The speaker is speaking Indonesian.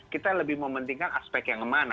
kita lebih mementingkan aspek yang mana